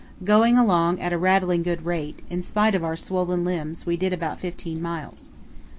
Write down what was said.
Going along at a rattling good rate; in spite of our swollen limbs we did about fifteen miles.